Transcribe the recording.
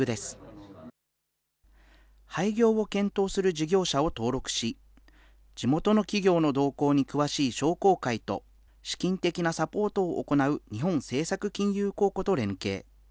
事業者を登録し、地元の企業の動向に詳しい商工会と、資金的なサポートを行う日本政策金融公庫と連携。